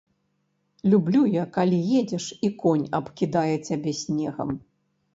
Люблю я, калі едзеш і конь абкідае цябе снегам.